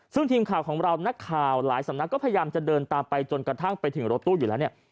ซึ่งทีมข่าวของเรานักข่าวหลายสำนักก็พยายามจะเดินตามไปจนกระทั่งไปถึงรถตู้อยู่แล้วเนี่ย